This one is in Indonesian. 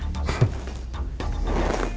namun tetap saja kan